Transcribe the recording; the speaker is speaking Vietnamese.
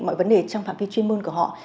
mọi vấn đề trong phạm vi chuyên môn của họ